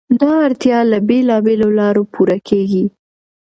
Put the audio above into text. دا اړتیا له بېلابېلو لارو پوره کېږي.